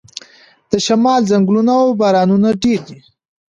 د شمال ځنګلونه او بارانونه ډیر دي.